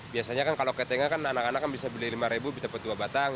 biasanya kan kalau ketengan kan anak anak bisa beli lima bisa beli dua batang